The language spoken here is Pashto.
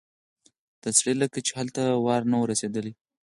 د سړي لکه چې هلته وار نه و رسېدلی.